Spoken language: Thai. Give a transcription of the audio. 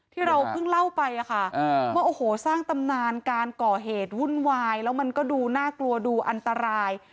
ที่เราเพิ่งเล่าไปค่ะว่าโอ้โหสร้างตำนานการก่อเหตุวุ่นวายแล้วมันก็ดูน่ากลัวดูอันตราย